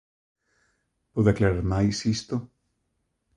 Pode aclarar máis isto?